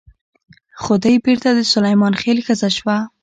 خدۍ بېرته د سلیمان خېل ښځه شوه.